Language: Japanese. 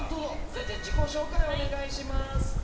じゃあ自己紹介をお願いします。